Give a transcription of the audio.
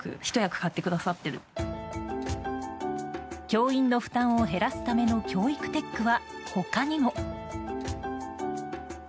教員の負担を減らすための教育テックは他にも。